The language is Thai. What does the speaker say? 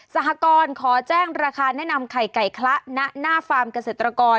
สหกรณ์ขอแจ้งราคาแนะนำไข่ไก่คละณหน้าฟาร์มเกษตรกร